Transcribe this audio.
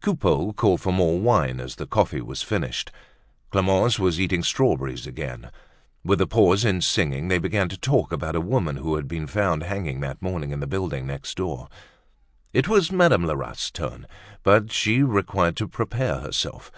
Coupeau called for more wine as the coffee was finished. Clemence was eating strawberries again. With the pause in singing, they began to talk about a woman who had been found hanging that morning in the building next door. It was Madame Lerat's turn, but she required to prepare herself.